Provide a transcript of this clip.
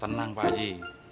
tenang pak haji